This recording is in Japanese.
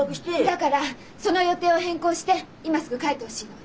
だからその予定を変更して今すぐ帰ってほしいの。